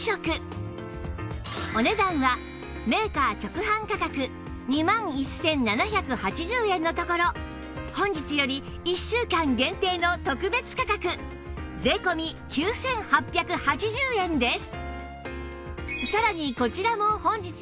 お値段はメーカー直販価格２万１７８０円のところ本日より１週間限定の特別価格税込９８８０円です